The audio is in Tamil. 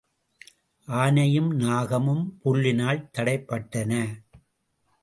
ஆனையும் நாகமும் புல்லினால் தடைப்பட்டன.